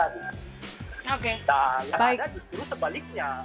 dan yang ada justru terbaliknya